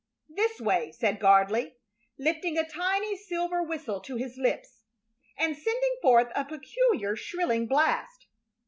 "This way," said Gardley, lifting a tiny silver whistle to his lips and sending forth a peculiar, shrilling blast.